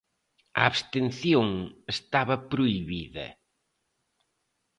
A abstención estaba prohibida.